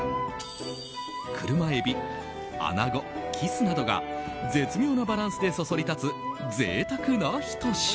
クルマエビ、アナゴ、キスなどが絶妙なバランスでそそり立つ贅沢なひと品。